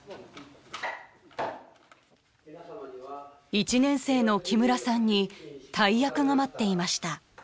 １年生の木村さんに大役が待っていました。